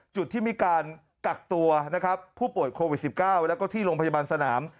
จุดที่มีการกักตัวนะครับผู้ป่วยโควิด๑๙แล้วก็ที่โรงพยาบาลสนาม